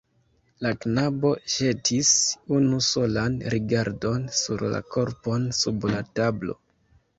La knabo ĵetis unu solan rigardon sur la korpon sub la tablo.